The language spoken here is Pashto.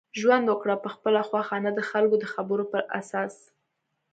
ژوند وکړه په خپله خوښه نه دخلکو دخبرو په اساس